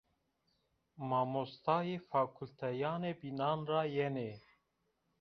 Mamostayî fakulteyanê bînan ra yenê